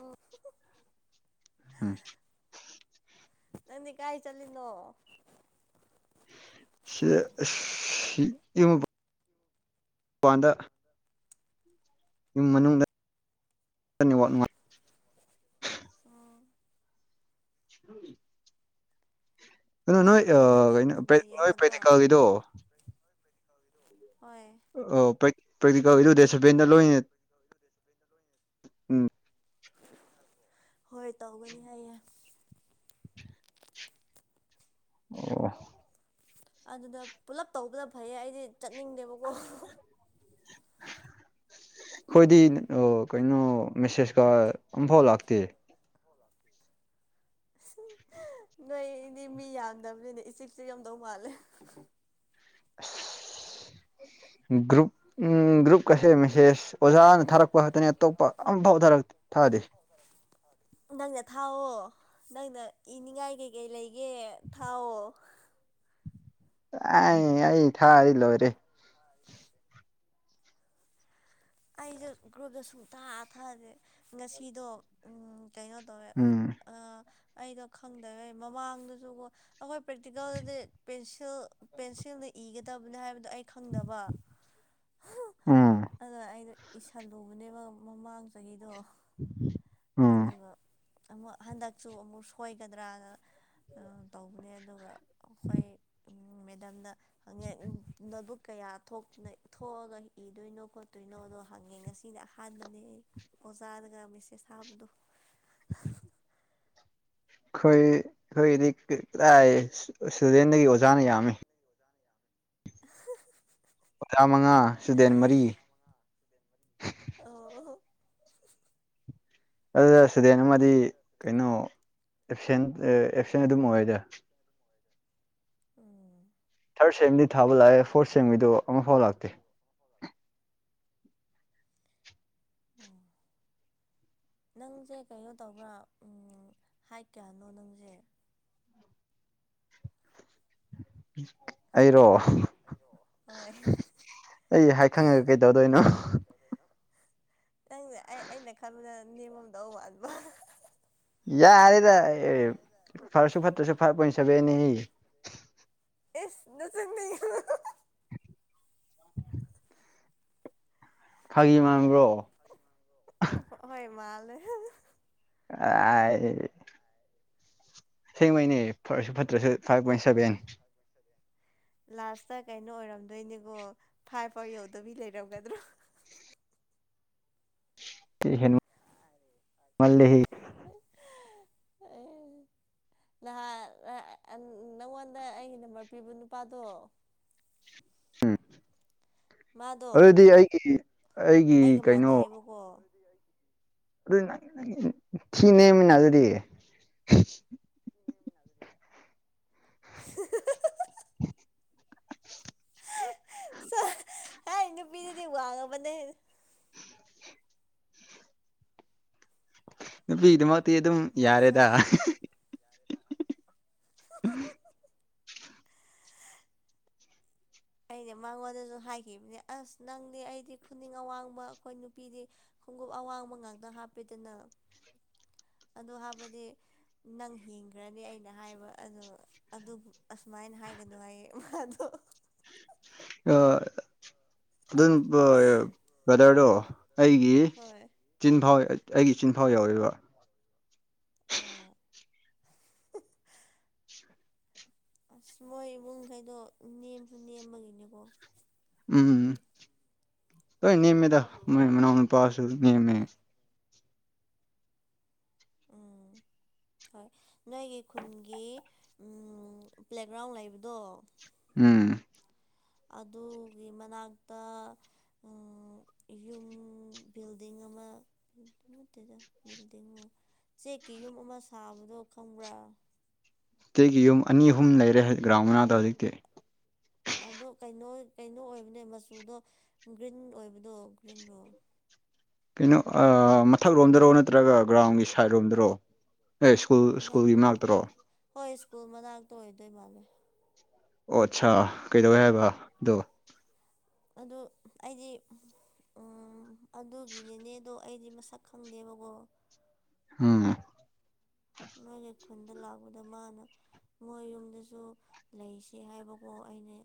ꯎꯝ ꯎꯝ ꯅꯅꯤ ꯀꯥꯏ ꯆꯂꯤꯅꯣ [unintelligible] ꯋꯥꯥꯟꯗ ꯌꯃꯨꯝ ꯃꯅꯨꯡꯗ ꯅꯨꯡꯉꯥꯏ ꯎꯝ ꯍ ꯀꯩꯅꯣ ꯅꯪ ꯅꯣꯏ ꯍꯌꯦꯡꯒꯤ ꯐꯨꯠꯕꯣꯜ ꯀꯩꯅꯣ ꯅꯣꯏ ꯌꯦꯡꯒꯗ꯭ꯔꯣ ꯄ꯭ꯔꯦꯛꯇꯤꯀꯜꯒꯤꯗꯣ ꯍꯣꯏ ꯑ ꯄ꯭ꯔꯦꯛꯇꯤꯀꯦꯜ ꯏ ꯗꯦꯠ ꯁꯚꯦꯟꯗ ꯂꯣꯏ ꯎꯝ ꯍꯣꯏ ꯇꯧꯒꯅꯤ ꯍꯥꯏꯌꯦꯦ ꯑꯣ ꯑꯗꯨꯗ ꯄꯨꯂꯞ ꯇꯧꯕꯗ ꯐꯩꯌꯦ ꯑꯩꯗꯤ ꯆꯠꯅꯤꯡꯗꯦꯕꯀꯣ [unintelligible] ꯑꯩꯈꯣꯏꯗꯤ ꯑꯣ ꯀꯩꯅꯣ ꯃꯦꯁꯦꯁꯀ ꯑꯝꯐꯥꯎ ꯂꯥꯛꯇꯦ ꯅꯣꯏꯗꯤ ꯃꯤ ꯌꯥꯝꯗꯕꯅꯤꯅꯦ ꯏꯆꯤꯛꯁꯨ ꯌꯥꯝꯗꯧ ꯃꯥꯜꯂꯦ [inaudible] ꯒ꯭ꯔꯨꯞ ꯎꯝ ꯒ꯭ꯔꯨꯞ ꯀꯁꯦ ꯃꯦꯁꯦꯁ ꯑꯣꯖꯥꯅ ꯊꯥꯔꯛꯄ ꯉꯛꯇꯅꯤ ꯑꯇꯣꯞꯄ ꯑꯝꯐꯥꯎ ꯊꯥꯔ ꯑꯗꯦ ꯅꯪꯅ ꯊꯥꯎꯋ ꯅꯪꯅ ꯏꯅꯤꯡꯉꯥꯏ ꯀꯩꯀꯩ ꯂꯩꯒꯦ ꯊꯥꯎꯋ ꯑ ꯑꯩ ꯊꯥ ꯂꯣꯏꯔꯦ ꯑꯩꯁꯨ ꯒ꯭ꯔꯨꯞꯗ ꯁꯨꯡꯇꯥꯊꯛꯁꯦ ꯉꯁꯤꯗꯣ ꯀꯩꯅꯩꯅꯣ ꯇ ꯎꯝ ꯑ ꯑꯩꯗꯣ ꯈꯪꯗꯔꯦ ꯃꯃꯥꯡꯗꯁꯨꯀꯣ ꯑꯩꯈꯣꯏ ꯄ꯭ꯔꯦꯛꯇꯤꯀꯦꯜꯗꯗꯤ ꯄꯦꯟꯁꯤꯜ ꯄꯦꯟꯁꯤꯜꯅꯤ ꯏꯒꯗꯕꯅꯤ ꯍꯥꯏꯕꯗꯣ ꯑꯩ ꯈꯪꯗꯕ ꯎꯝ ꯑꯗꯨ ꯑꯗꯨ ꯏꯁꯜꯂꯨꯕꯅꯦꯕ ꯃꯃꯥꯡ ꯆꯍꯤꯗꯣ ꯎ ꯑꯗꯨꯒ ꯑꯃꯨꯛ ꯍꯟꯗꯛꯁꯨ ꯑꯃꯨꯛ ꯁꯣꯏꯒꯗ꯭ꯔꯥꯅ ꯇꯧꯕꯅꯦ ꯑꯗꯨꯒ ꯑꯩꯈꯣꯏ ꯃꯦꯗꯥꯝꯅꯪꯉꯦ ꯅꯣꯠꯕꯨꯛ ꯀꯌꯥ ꯊꯣꯛꯑꯒ ꯏꯗꯣꯏꯅꯣ ꯈꯣꯠꯇꯣꯏꯅꯣ ꯑꯗꯣ ꯍꯪꯉꯦ ꯉꯁꯤꯗꯤ ꯑꯍꯥꯟꯕꯅꯦ ꯑꯣꯖꯥꯗꯒ ꯃꯤꯠꯁꯦ ꯁꯥꯕꯗꯣ ꯑꯩꯈꯣꯏ ꯑꯩꯈꯣꯏꯗꯤ ꯀꯗꯥ ꯏꯁꯇꯨꯗꯦꯟꯗꯒꯤ ꯑꯣꯖꯥꯅ ꯌꯥꯝꯃꯤ ꯆꯥꯃꯉꯥ ꯁꯨꯗꯦꯟ ꯃꯔꯤ ꯑꯣ ꯑꯗꯨꯗ ꯁꯨꯗꯦꯟ ꯑꯃꯗꯤ ꯀꯩꯅꯣ ꯑꯦꯞꯁꯦꯟ ꯑꯦꯞꯁꯦꯟ ꯑꯗꯨꯝ ꯑꯣꯏꯗ ꯎꯝ ꯊꯥꯔꯠ ꯁꯦꯝꯗꯤ ꯊꯥꯕ ꯂꯥꯛꯑꯦ ꯐꯣꯔꯠ ꯁꯦꯝꯕꯤꯗꯣ ꯑꯃꯐꯥꯎ ꯂꯥꯛꯇꯦ [inaudible] ꯑꯣ ꯅꯪꯁꯦ ꯀꯩꯅꯣ ꯇꯧꯕ꯭ꯔꯥ ꯍꯥꯏ ꯀꯌꯥꯅꯣ ꯅꯪꯁꯦ ꯎꯝ ꯑꯩꯔꯣ ꯍꯣꯏ ꯑꯩ ꯍꯥꯏ ꯈꯪꯉꯒ ꯀꯩꯗꯧꯗꯣꯏꯅꯣ ꯅꯪꯁ ꯑꯩ ꯑꯩꯅ ꯈꯟꯕꯗ ꯅꯦꯝꯃꯣꯝꯗꯧ ꯃꯥꯟꯕ ꯌꯥꯔꯦꯗ ꯑꯦ ꯐꯔꯁꯨ ꯐꯠꯇ꯭ꯔꯁꯨ ꯐ ꯄ ꯁꯕꯅꯦ ꯑꯦꯁ ꯅ ꯁꯤꯅꯤ ꯐꯥꯒꯤ ꯃꯥꯡꯕ꯭ꯔꯣ ꯍꯣꯏ ꯃꯥꯂ ꯑꯌꯦ ꯁꯦꯡꯕꯩꯅꯦ ꯐꯔꯁꯨ ꯐꯠꯇ꯭ꯔꯁꯨ ꯐꯥꯏꯚ ꯄꯣꯏꯟ ꯁꯚꯦꯟ ꯂꯥꯁꯇ ꯀꯩꯅꯣ ꯑꯣꯏꯔꯝꯗꯣꯏꯅꯦꯀꯣ ꯐꯥꯏꯚ ꯑꯥꯔ ꯌꯧꯗꯕꯤ ꯂꯩꯔꯝꯒꯗ꯭ꯔꯣ ꯍ ꯃꯜꯦ ꯂꯍꯥꯛ ꯅꯪꯉꯣꯟꯗ ꯑꯩꯒꯤ ꯅꯝꯕꯔ ꯄꯤꯕ ꯅꯨꯄꯥꯗꯣ ꯎꯝ ꯃꯥꯗꯣ ꯑꯗꯨꯗꯤ ꯑꯩꯒꯤ ꯑꯩꯒꯤ ꯑꯩꯒ ꯀꯩꯅꯣ ꯃꯥꯟꯅꯩꯌꯦꯕꯀꯣ ꯑꯗꯨ ꯊꯤꯅꯦꯃꯤꯅ ꯑꯗꯨꯗꯤ [inaudible] [inaudible] [inaudible] ꯍꯥꯏ ꯅꯨꯄꯤꯗꯨꯗꯤ ꯋꯥꯡꯉꯕꯅꯦ ꯅꯨꯄꯤ ꯏꯗꯤ ꯃꯥꯗꯤꯤ ꯌꯦ ꯑꯗꯨꯝ ꯑꯁ ꯌꯥꯔꯦꯗꯥ ꯋꯥꯡꯕ ꯎ ꯑꯩꯅ ꯃꯉꯣꯟꯗꯁꯨ ꯍꯥꯏꯈꯤꯕꯅꯦ ꯑꯁ ꯅꯪꯗꯤ ꯑꯩꯗꯤ ꯈꯨꯅꯤꯡ ꯑꯋꯥꯡꯕ ꯑꯩꯈꯣꯏ ꯅꯨꯄꯤꯗꯤ ꯈꯣꯡꯎꯞ ꯑꯋꯥꯡꯕ ꯉꯥꯛꯇ ꯍꯥꯞꯄꯤꯦꯗꯅ [inaudible] ꯑ ꯍꯥꯏꯕꯗꯤ ꯅꯪ ꯍꯤꯡꯈ꯭ꯔꯅꯤ ꯑꯩꯅ ꯍꯥꯏꯕ ꯑꯗꯣ ꯑꯁꯨꯃꯥꯏꯅ ꯍꯥꯏꯒꯅꯨ ꯍꯥꯏꯌꯦ [inaudible] ꯑ ꯑꯗꯨꯝ ꯀꯗꯥꯔꯗꯣ ꯑꯩꯒꯤ ꯍꯣꯏ ꯆꯤꯟꯐꯥꯎ ꯑꯩꯒꯤ ꯏꯆꯤꯟꯐꯥꯎ ꯌꯥꯎꯔꯤꯕ ꯑꯣ ꯑꯁ ꯃꯣꯏ ꯏꯕꯨꯡꯈꯩꯗꯣ ꯅꯦꯝꯁꯨ ꯅꯦꯝꯕꯒꯤꯅꯦꯀꯣ ꯎꯝ ꯅꯃꯦꯗ ꯃꯅ ꯄꯥꯎꯁꯨ ꯅꯅꯤꯃꯦ ꯎꯝ [inaudible] ꯍꯣꯏ ꯅꯣꯏꯒꯤ ꯈꯨꯟꯒꯤ ꯄ꯭ꯂꯦꯒ꯭ꯔꯥꯎꯟ ꯂꯩꯕꯗꯣ ꯎꯝ ꯑꯗꯨꯒꯤ ꯃꯅꯥꯛꯇ ꯌꯨꯝ ꯕꯤꯜꯗꯤꯡ ꯑꯃ ꯅꯠꯇꯦꯗ ꯕꯤꯜꯗꯤꯡ ꯆꯦꯛꯀꯤ ꯌꯨꯝ ꯑꯃ ꯁꯥꯕꯗꯣ ꯈꯪꯕ꯭ꯔꯥ ꯑꯒꯤ ꯌꯨꯝ ꯑꯅꯤ ꯑꯍꯨꯝ ꯂꯩꯔꯦ ꯒ꯭ꯔꯥꯎꯟ ꯃꯅꯥꯗ ꯍꯧꯖꯤꯛꯇꯤ ꯑꯗꯣ ꯀꯩꯅꯣ ꯀꯩꯅꯣ ꯑꯣꯏꯕꯅꯦ ꯃꯆꯨꯗꯣ ꯒ꯭ꯔꯤꯟ ꯑꯣꯏꯕꯗꯣ ꯒ꯭ꯔꯤꯟꯗꯣ ꯀꯩꯅꯣ ꯃꯊꯛ ꯂꯣꯝꯗꯔꯣ ꯅꯠꯇ꯭ꯔꯒ ꯒ꯭ꯔꯥꯎꯟꯒꯤ ꯁꯥꯏꯠ ꯔꯣꯝꯗꯔꯣ ꯑꯦ ꯁ꯭ꯀꯨꯜ ꯑꯃ ꯁ꯭ꯀꯨꯜꯒꯤ ꯃꯅꯥꯛꯇꯔꯣ ꯍꯣꯏ ꯁ꯭ꯀꯨꯜ ꯃꯅꯥꯛꯇ ꯑꯣꯏꯗꯣꯏ ꯃꯥꯜꯂꯦ ꯑꯣ ꯑꯠꯆꯥꯥ ꯀꯩꯗꯧꯋꯦ ꯍꯥꯏꯕ ꯑꯣ ꯑꯗꯨ ꯑꯩꯗꯤ ꯑꯗꯨꯒꯤꯅꯦꯅꯦꯗꯣ ꯑꯩꯗꯤ ꯃꯁꯛ ꯈꯪꯗꯦꯕꯀꯣ ꯑꯝ ꯅꯣꯏꯒꯤ ꯈꯨꯟꯗ ꯂꯥꯛꯄꯗ ꯃꯥꯅ ꯃꯣꯏ ꯌꯨꯝꯗꯁꯨ ꯂꯩꯁꯤ ꯍꯥꯏꯕꯀꯣ ꯑꯩꯅ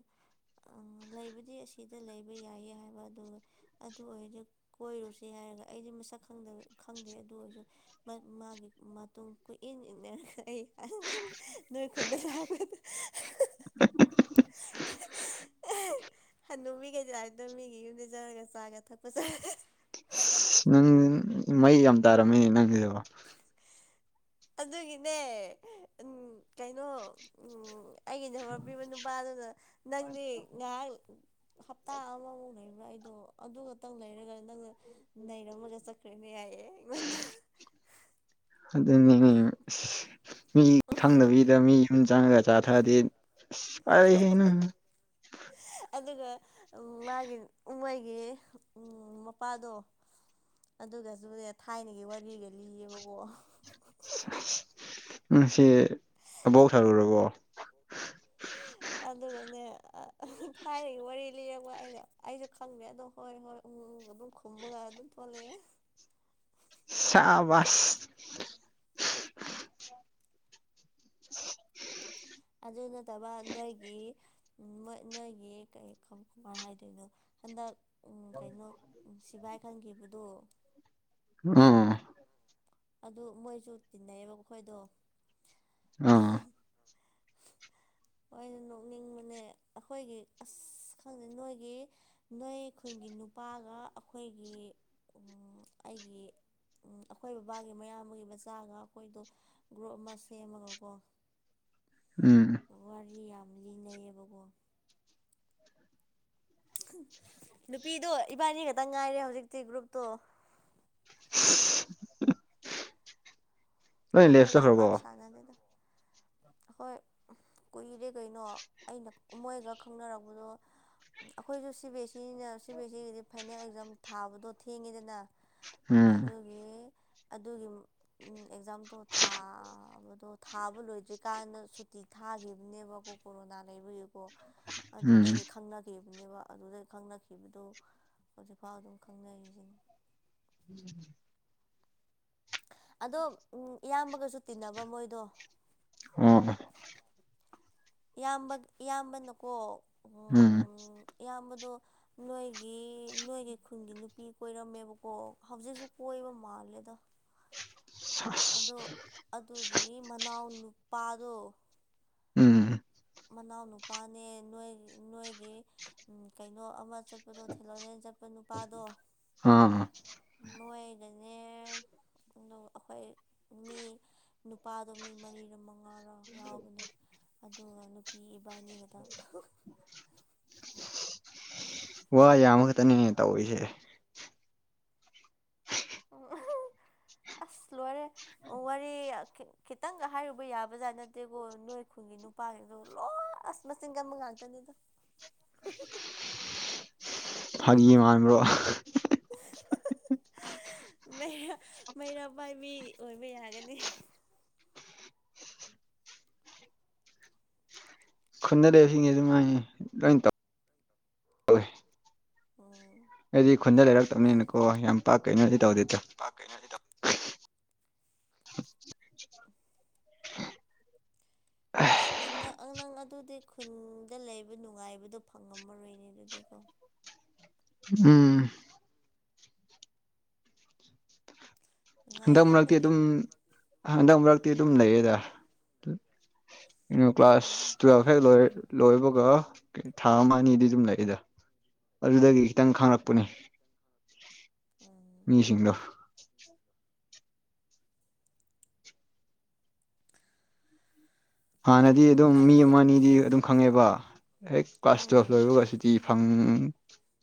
ꯂꯩꯕꯗꯤ ꯑꯁꯤꯗ ꯂꯩꯕ ꯌꯥꯏꯌꯦ ꯍꯥꯏꯕ ꯑꯗꯨꯒ ꯑꯗꯨ ꯑꯣꯏꯔꯗꯤ ꯀꯣꯏꯔꯨꯁꯤ ꯍꯥꯏ ꯍꯥꯏꯔꯒ ꯑꯩꯗꯤ ꯃꯁꯛꯪ ꯈꯪꯗꯦ ꯑꯗꯨ ꯑꯣꯏꯔꯁꯨ ꯃꯥꯒꯤ ꯃꯇꯨꯡ ꯀꯨꯏꯟ ꯏꯅꯈꯩ ꯑ ꯅꯣꯏ ꯈꯨꯟꯗ ꯂꯥꯛꯄꯗ [inaudible] ꯅꯨꯃꯤꯈꯩꯗꯤ ꯂꯥꯔꯤꯗꯣ ꯃꯤꯒꯤ ꯌꯨꯝꯗꯩ ꯆꯔꯒ ꯆꯥꯒ ꯊꯛꯄ ꯆꯥꯦ ꯑ ꯅꯪ ꯃꯩ ꯌꯥꯝ ꯇꯥꯔꯝꯃꯤꯅꯦ ꯅꯪꯒꯤ ꯑꯗꯨꯒꯤꯅꯦ ꯎꯝ ꯀꯩꯅꯣ ꯎꯝ ꯑꯩꯒꯤ ꯅꯔ ꯄꯤꯕ ꯅꯨꯄꯥꯗꯨꯅ ꯅꯪꯗꯤ ꯉꯥꯏꯍꯥꯛ ꯍꯞꯇꯥ ꯑꯃꯃꯨꯛ ꯂꯩ ꯑꯩꯗꯣ ꯑꯗꯨ ꯈꯛꯇꯪ ꯂꯩꯔꯒ ꯅꯪꯅ ꯂꯩꯔꯝꯃꯒ ꯆꯠꯈ꯭ꯔꯦꯅꯦ ꯌꯥꯏꯌꯦꯦ ꯑꯩꯉꯣꯟꯗ ꯑꯗꯨ ꯃꯤ ꯈꯪꯗꯕꯤꯗ ꯃꯤ ꯎ ꯆꯪꯒ ꯆꯥꯊꯗꯤ ꯑꯔꯦ ꯍꯅ ꯑꯗꯨꯒ ꯃꯥꯒꯤ ꯎꯍꯩꯒꯤ ꯃꯄꯥꯗꯣ ꯑꯗꯨꯒꯁꯨꯅꯦ ꯊꯥꯏꯅꯒꯤ ꯋꯥꯔꯤꯒ ꯂꯤꯌꯦꯕꯀꯣ ꯑꯁ ꯁꯤ ꯑꯕꯧ ꯊꯔꯔꯕꯣ ꯑꯗꯨꯒꯅꯦ ꯎꯝ ꯊꯥꯏꯅꯒꯤ ꯋꯥꯔꯤ ꯂꯤꯔꯒ ꯑꯩꯩꯅ ꯑꯩꯁꯨ ꯈꯪꯗꯦ ꯑꯗꯣ ꯍꯣꯏ ꯍꯣꯏ ꯎꯃꯪ ꯑꯗꯨꯝ ꯈꯨꯝꯃꯒ ꯑꯗꯨꯝ ꯊꯣꯛꯂꯛꯑꯦ ꯁꯥꯕꯁ [inaudible] ꯑꯗꯨ ꯅꯠꯇꯕ ꯅꯣꯏꯒꯤ ꯅꯣꯏꯒꯤ ꯀꯩ ꯀꯃ ꯍꯥꯏꯗꯣꯏꯅꯣ ꯍꯟꯗꯛ ꯀꯩꯅꯣ ꯁꯤꯚꯥꯏ ꯈꯟꯈꯤꯕꯗꯣ ꯑꯥ ꯑꯗꯨ ꯃꯣꯏꯁꯨ ꯇꯤꯟꯅꯩꯌꯦꯕ ꯑꯩꯈꯣꯏꯗꯣ ꯑꯥ ꯍꯩꯅ ꯅꯣꯛꯅꯤꯡꯕꯅꯦ ꯑꯩꯈꯣꯏꯒꯤ ꯑꯁ ꯑ ꯈꯪꯗꯦ ꯅꯣꯏꯒꯤ ꯅꯣꯏ ꯈꯨꯟꯒꯤ ꯅꯨꯄꯥꯒ ꯑꯩꯈꯣꯏꯒꯤ ꯑꯩꯒꯤ ꯑꯩꯈꯣꯏꯕ ꯕꯥꯒꯤ ꯃꯌꯥꯝꯕꯒꯤ ꯃꯆꯥꯒ ꯑꯩꯈꯣꯏꯗꯣ ꯒ꯭ꯔꯨꯞ ꯑꯃ ꯁꯦꯝꯃꯒꯀꯣ ꯎꯝ ꯋꯥꯔꯤ ꯌꯥꯝ ꯂꯤꯅꯩꯌꯦꯕꯀꯣ ꯅꯨꯄꯤꯗꯣ ꯏꯕꯥꯅꯤ ꯈꯛꯇꯪ ꯉꯥꯏꯔꯦ ꯍꯧꯖꯤꯛꯇꯤ ꯒ꯭ꯔꯨꯞꯇꯣ [inaudible] ꯂꯣꯏ ꯑꯗꯣ ꯂꯦꯞ ꯌꯥꯝ ꯄꯥꯛ ꯆꯠꯈ꯭ꯔꯕꯣ ꯁꯅ ꯑꯗꯨꯗ [inaudible] ꯍꯣꯏ ꯀꯨꯏꯔꯦ ꯀꯩꯅꯣ ꯑꯩꯅ ꯃꯣꯏꯒ ꯈꯪꯅꯔꯕꯗꯣ ꯑꯩꯈꯣꯏꯁꯨ ꯁꯤ ꯕꯤ ꯑꯦꯁ ꯏꯅ ꯁꯤ ꯕꯤ ꯑꯦꯁ ꯏꯒꯤꯗꯤ ꯐꯥꯏꯅꯦꯜ ꯑꯦꯛꯖꯥꯝ ꯊꯥꯕꯗꯣ ꯊꯦꯡꯉꯤꯗꯅ ꯎꯝ ꯑꯗꯨꯒꯤ ꯑꯗꯨꯒꯤ ꯑꯦꯛꯖꯥꯝ ꯑꯣ ꯊꯥꯕꯗꯣ ꯊꯥꯕ ꯂꯣꯏꯗ꯭ꯔꯤꯀꯥꯟꯗ ꯁꯨꯇꯤ ꯊꯥꯈꯤꯕꯅꯦꯕꯀꯣ ꯀꯣꯔꯣꯅꯥ ꯂꯩꯕꯒꯤꯀꯣ ꯎꯝ ꯑꯗꯨꯗꯒꯤ ꯈꯪꯅꯈꯤꯕ ꯑꯗꯨꯅꯦꯕ ꯑꯗꯨꯗ ꯈꯪꯅꯈꯤꯕꯗꯨꯣ ꯍꯧꯖꯤꯛꯐꯥꯎ ꯑꯗꯨꯝ ꯈꯪꯅꯩꯔꯤꯁꯤꯅꯤ ꯎꯝ ꯑꯗꯣ ꯏꯌꯥꯝꯕꯒꯁꯨ ꯇꯤꯟꯅꯕ ꯃꯣꯏꯗꯣ ꯑꯣ ꯏꯌꯥꯝꯕ ꯏꯌꯥꯝꯕꯅꯀꯣ ꯎ ꯎꯝ ꯏꯌꯥꯝꯕꯗꯣ ꯅꯣꯏꯒꯤ ꯅꯣꯏꯒꯤ ꯈꯨꯟꯒꯤ ꯅꯨꯄꯤ ꯀꯣꯏꯔꯝꯃꯦꯕꯀꯣ ꯍꯧꯖꯤꯛꯁꯨ ꯀꯣꯏꯕ ꯃꯥꯜꯂꯦꯗ [inaudible] ꯁꯁ ꯑꯗꯣ ꯑꯗꯨꯒꯤ ꯃꯅꯥꯎ ꯅꯨꯄꯥꯗꯣ ꯎꯝ ꯃꯅꯥꯎꯅꯨꯄꯥꯅꯦ ꯅꯣꯏ ꯅꯣꯏꯒꯤ ꯀꯩꯅꯣ ꯑꯃ ꯆꯠꯄꯗꯣ ꯊꯤꯜꯂꯂꯦꯟ ꯆꯠꯄ ꯅꯨꯄꯥꯗꯣ ꯑ ꯃꯣꯏꯗꯅꯦ ꯑꯩꯈꯣꯏ ꯃꯤ ꯅꯨꯄꯥꯗꯣ ꯃꯤ ꯃꯔꯤꯔ ꯃꯉꯥꯔꯣ ꯌꯥꯎꯕꯅꯦ [inaudible] ꯑꯗꯨꯒ ꯅꯨꯄꯤ ꯏꯕꯥꯅꯤꯒꯇꯪ ꯋꯥꯣꯏ ꯌꯥꯝꯃꯈꯛꯇꯅꯦ ꯇꯧꯔꯤꯁꯦ ꯑꯣ [inaudible] ꯑꯁ ꯂ ꯑꯣꯏꯣꯔꯦ ꯋꯥꯔꯤ ꯈꯤꯇꯪꯒ ꯍꯥꯏꯔꯨꯕ ꯌꯥꯕꯖꯥꯠ ꯅꯠꯇꯦꯀꯣ ꯅꯣꯏ ꯈꯨꯟꯒꯤ ꯅꯨꯄꯥꯁꯤꯡꯗ ꯂꯣꯏ ꯑꯁꯃꯁꯤꯡꯒ ꯃꯪꯥꯗꯅꯤꯗ [inaudible] ꯐꯒꯤ ꯃꯥ꯭ꯔꯣ [inaudible] ꯩꯔꯥ ꯃꯩꯔꯥ ꯄꯥꯏꯕꯤ ꯑꯣꯏꯕ ꯌꯥꯒꯅꯤ ꯈꯨꯟꯅꯔꯕꯁꯤꯡꯁꯦꯁꯨ ꯃꯥꯏ ꯂꯣꯏ ꯇꯧ ꯎꯝ ꯑꯩꯗꯤ ꯈꯨꯟꯗ ꯂꯩꯔꯛꯇꯕꯅꯤꯅꯀꯣ ꯌꯥꯝ ꯄꯥꯛ ꯀꯩꯅꯣꯗꯤ ꯇꯧꯗꯦ ꯄ ꯀꯩ ꯇ ꯑꯁ ꯑꯉꯥꯡ ꯑꯗꯨꯗꯤ ꯈꯨꯟꯗ ꯂꯩꯕ ꯅꯨꯡꯉꯥꯏꯕꯗꯣ ꯐꯪꯉꯝꯃꯔꯣꯏꯅꯦ ꯑꯗꯨꯗꯤꯀꯣ [inaudible] ꯎꯝ ꯍꯟꯗꯛ ꯅꯨꯡꯉꯥꯏꯍꯦ ꯃꯔꯛꯇꯤ ꯑꯩꯈꯣꯏꯗꯤ ꯑꯗꯨꯝ ꯍꯟꯗꯛ ꯃꯔꯛꯇꯤ ꯑꯗꯨꯝ ꯂꯩꯌꯦꯦꯗ ꯩꯅ ꯀ꯭ꯂꯥꯁ ꯎꯝ ꯇꯨꯋꯦꯜꯐꯈꯦꯛ ꯂꯣꯏꯕꯒ ꯊꯥ ꯑꯃ ꯑꯅꯤꯗꯤ ꯑꯗꯨꯝ ꯂꯩꯏꯗ ꯑꯗꯨꯗꯒꯤ ꯈꯤꯇꯪ ꯈꯥꯡꯪꯂꯛꯄꯅꯤ ꯎꯝ ꯃꯤꯁꯤꯡꯗꯣ ꯍꯥꯟꯅꯗꯤ ꯎꯝ ꯑꯗꯨꯝ ꯃꯤ ꯑꯩꯗꯤ ꯑꯃ ꯑꯅꯤꯗꯤ ꯑꯗꯨꯝ ꯈꯪꯉꯦꯕ ꯑꯦ ꯀ꯭ꯂꯥꯁ ꯍꯣꯏ ꯇꯨꯋꯦꯜꯚ ꯂ ꯌꯕꯁꯤꯇꯤ ꯐꯪ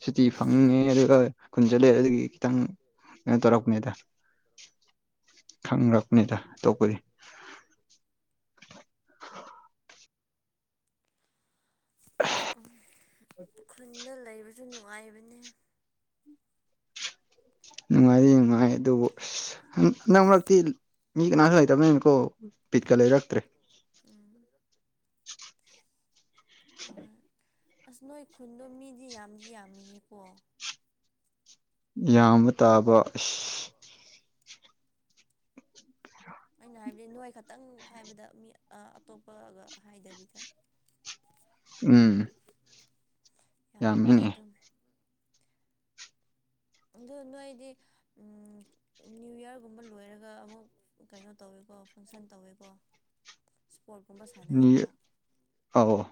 ꯁꯨꯇꯤ ꯐꯪꯅꯤꯡꯉꯦ ꯑꯗꯨꯒ ꯀꯨꯟꯁꯤꯂꯦ ꯑꯗꯨꯗꯒꯤ ꯈꯤꯇꯪ ꯀꯩꯅꯣ ꯇꯧꯔꯛꯄꯅꯦꯗ ꯈꯪ꯭ꯔꯛꯄꯅꯤꯗ ꯑꯇꯣꯞꯄꯗꯤ [unintelligible] ꯈꯨꯟꯗ ꯂꯩꯕꯁꯨ ꯅꯨꯡꯉꯥꯏꯕꯅꯦ ꯅꯨꯡꯉꯥꯏꯔꯤ ꯅꯨꯡꯉꯥꯏ ꯑꯗꯨꯕꯨ ꯑꯁ ꯅꯛ ꯃꯔꯛꯇꯤ ꯃꯤ ꯀꯅꯥꯁꯨ ꯂꯩꯇꯕꯅꯦꯅꯀꯣ ꯄꯤꯠꯀ ꯂꯩꯔꯛꯇ꯭ꯔꯦ [unintelligible] ꯎꯝ ꯍꯣꯏ [unintelligible] ꯑꯁ ꯅꯣꯏ ꯈꯨꯟꯗꯣ ꯃꯤꯗꯤ ꯌꯥꯝꯗꯤ ꯌꯥꯝꯃꯤꯌꯦꯀꯣ ꯌꯥꯝꯕ ꯇꯥꯕ ꯑ ꯑꯩꯅ ꯍꯥꯏꯕꯗꯤ ꯅꯣꯏ ꯈꯛꯇꯪ ꯍꯥꯏꯕꯗ ꯃꯤ ꯑꯇꯣꯞꯄꯒ ꯍꯥꯏꯗꯕꯤꯗ [unintelligible] ꯎꯝ ꯌꯥꯝꯃꯦ ꯌꯥꯝꯃꯤꯉꯦ ꯑꯗꯨꯝ ꯑ ꯅꯣꯏꯗꯤ ꯅ꯭ꯌꯨ ꯌꯌꯥꯔꯒꯨꯝꯕ ꯂꯣꯏꯔꯒ ꯑꯃꯨꯛ ꯀꯩꯅꯣ ꯇꯧꯋꯦ ꯀꯣ ꯐꯪꯁꯟ ꯇꯧꯋꯦꯕꯣ [unintelligible] ꯐꯕꯣꯜꯒꯨꯝꯕ ꯅꯤ ꯁꯥꯟꯅꯩꯀꯣ ꯑꯧ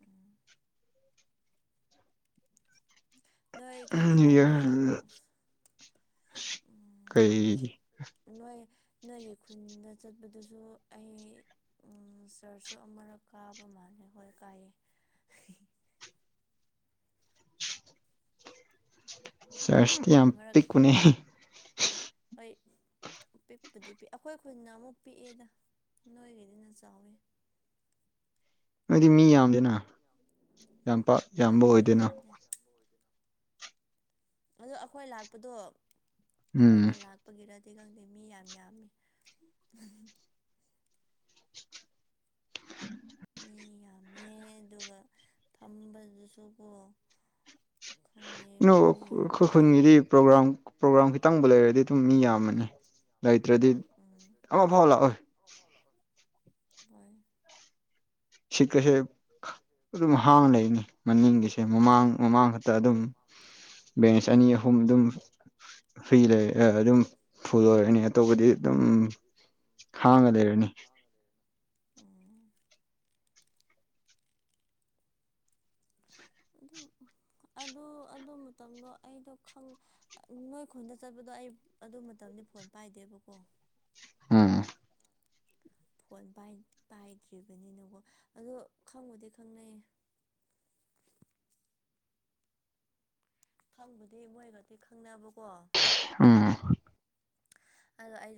ꯑ ꯅꯣꯏ ꯀꯔꯤ ꯍꯥꯏꯕ꯭ꯔꯥ ꯔ ꯀꯩ ꯅꯣꯏ ꯅꯣꯏꯒꯤ ꯈꯨꯟꯗ ꯆꯠꯄꯗꯨꯁꯨ ꯑꯩ ꯁꯥꯔꯁꯨ ꯑꯃꯨꯔꯛ ꯀꯥꯕ ꯃꯥꯅꯦ ꯑꯩꯈꯣꯏ ꯀꯥꯏꯌꯦ [unintelligible] ꯆꯔꯁꯇꯤ ꯌꯥꯝ ꯑꯃꯔꯛ ꯄꯤ ꯀꯨꯅꯦ ꯄꯤꯛꯄꯗꯤ ꯄꯤ ꯑꯩꯈꯣꯏ ꯈꯨꯈꯣꯏꯅ ꯑꯃꯨꯛ ꯄꯤꯛꯑꯦꯗ ꯅꯣꯏꯒꯤꯗꯤꯅ ꯆꯥꯎꯋꯤ [unintelligible] ꯅꯣꯏꯗꯤ ꯃꯤ ꯌꯥꯝꯗꯦꯅ ꯌꯥꯝ ꯑꯩꯈꯣꯏ ꯌꯥꯝꯕ ꯃꯤ ꯑꯣꯏꯗꯣꯏꯅ ꯌꯥꯝꯗꯦ ꯑꯗꯣ ꯑꯩꯈꯣꯏ ꯂꯥꯛꯄꯗꯣ ꯎꯝ ꯑꯩꯈꯣꯏꯅ ꯂꯥꯛꯄꯒꯤꯔꯗꯤ ꯈꯗꯤ ꯈꯪꯗꯦ ꯃꯤ ꯌꯥꯝ ꯌꯥꯝꯃꯤ ꯐꯝꯃꯦ ꯑꯗꯨꯒ ꯐꯝꯕꯗꯨꯁꯨꯀꯣ ꯈꯪꯗꯦ ꯃꯤ ꯈꯨꯈ ꯌꯥꯝꯕꯒꯤ ꯈꯨꯜꯒꯤꯗꯤ ꯄ꯭ꯔꯣꯒ꯭ꯔꯥꯝ ꯄ꯭ꯔꯣꯒ꯭ꯔꯥꯝ ꯈꯤꯇꯪꯕ ꯂꯩꯔꯗꯤ ꯑꯗꯨꯝ ꯃꯤ ꯌꯥꯝꯕꯅꯤ ꯅꯩꯇ꯭ꯔꯗꯤ ꯎꯝ ꯑꯃ ꯐꯥꯎ ꯂꯥꯛꯑꯣꯣꯏ ꯍꯣꯏ ꯁꯤ ꯀꯁꯦ ꯑꯗꯨꯝ ꯍꯥꯡꯅ ꯂꯩꯅꯤ ꯃꯅꯤꯡꯒꯤꯁꯦ ꯃꯃꯥꯡ ꯃꯃꯥꯡ ꯈꯛꯇ ꯑꯗꯨꯝ ꯕꯦꯡꯁ ꯑꯅꯤ ꯑꯍꯨꯝ ꯑꯗꯨꯝ ꯐ꯭ꯔꯤ ꯂꯩ ꯑꯗꯨꯝ ꯐꯨꯗꯣꯔꯅꯤ ꯑꯇꯣꯞꯄꯗꯤ ꯑꯗꯨꯝ ꯍꯥꯡꯉ ꯂꯩꯔꯅꯤ ꯎꯝ [unintelligible] ꯑꯗꯨ ꯑꯗꯨ ꯑꯗꯨ ꯃꯇꯝꯗꯣ ꯑꯩꯗꯣ ꯅꯣꯏꯈꯣꯟꯗ ꯆꯠꯄꯗꯣ ꯑꯩ ꯑꯗꯨ ꯃꯇꯝꯗꯤ ꯐꯣꯟ ꯄꯥꯏꯗꯦꯕꯀꯣ ꯑꯝ ꯐꯣꯟ ꯄꯥꯏꯗ꯭ꯔꯤꯕꯅꯤꯅꯀꯣ ꯑꯗꯣ ꯈꯪꯉꯨꯗꯤ ꯈꯪꯅꯩꯌꯦ ꯑꯦ ꯈꯪꯕꯨꯗꯤ ꯃꯣꯏꯒꯗꯤ ꯈꯪꯅꯕꯀꯣ ꯑ ꯑꯗꯣ ꯑꯗ